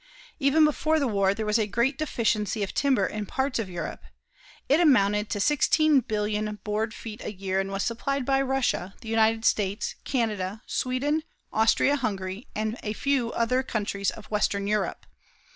Even before the war, there was a great deficiency of timber in parts of Europe. It amounted to 16,000,000,000 board feet a year and was supplied by Russia, the United States, Canada, Sweden, Austria Hungary and a few other countries of western Europe.